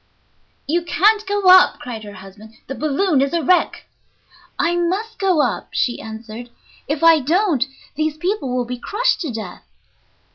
"You can't go up," cried her husband; "the balloon is a wreck." "I must go up," she answered; "if I don't these people will be crushed to death."